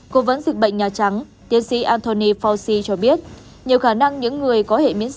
cố vấn dịch bệnh nhà trắng tiến sĩ nguyễn văn nguyễn